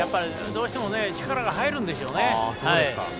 どうしても力が入るんでしょうね。